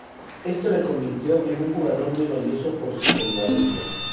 Esto le convirtió en un jugador muy valioso por su polivalencia.